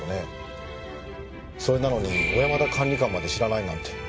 それなのに小山田管理官まで知らないなんて。